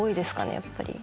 やっぱり。